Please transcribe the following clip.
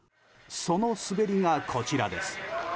その滑りがこちらです。